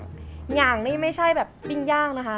อย่างนี่ไม่ใช่แบบปิ้งย่างนะคะ